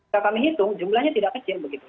ya kami hitung jumlahnya tidak kecil begitu